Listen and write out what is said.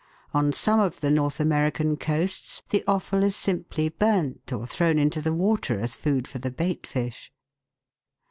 On some of the North American coasts the offal is simply burnt or thrown into the water as food for the bait fish.